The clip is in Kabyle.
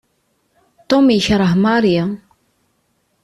Tom yekreh Mary.